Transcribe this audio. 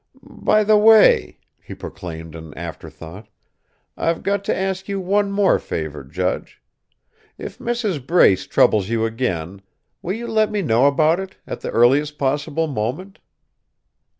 "By the way," he proclaimed an afterthought, "I've got to ask one more favour, judge. If Mrs. Brace troubles you again, will you let me know about it, at the earliest possible moment?"